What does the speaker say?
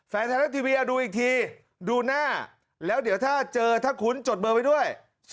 ไทยรัฐทีวีดูอีกทีดูหน้าแล้วเดี๋ยวถ้าเจอถ้าคุ้นจดเบอร์ไว้ด้วย